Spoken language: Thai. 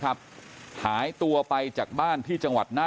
กลุ่มตัวเชียงใหม่